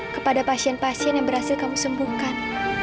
kepada pasien pasien yang berhasil kamu sembuhkan